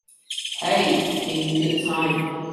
Aye, in good time.